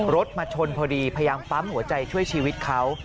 รถมาชนพอดีพยายามปั๊มหัวใจช่วยชีวิตเขา